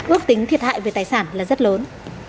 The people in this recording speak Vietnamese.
ước tính thiệt hại về tài sản là rất lớn